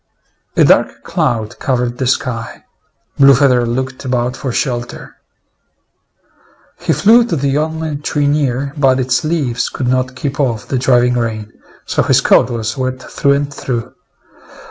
A dark cloud covered the sky. Blue feather looked about for shelter. He flew to the only tree near, but its leaves could not keep off the driving rain, so his coat was wet through and through.